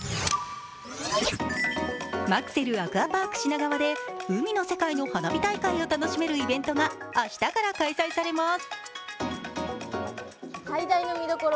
マクセルアクアパーク品川で海の世界の花火大会を楽しめるイベントが明日から開催されます。